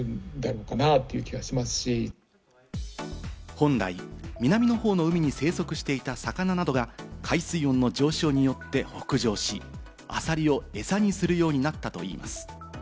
本来、南のほうの海に生息していた魚などが海水温の上昇によって北上し、アサリをエサにするようになったといいます。